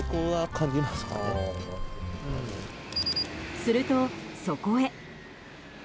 すると、そこへ。